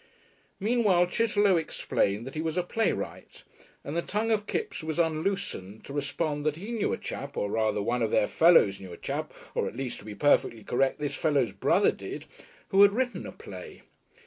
Meanwhile Chitterlow explained that he was a playwright, and the tongue of Kipps was unloosened to respond that he knew a chap, or rather one of their fellows knew a chap, or at least to be perfectly correct this fellow's brother did, who had written a play.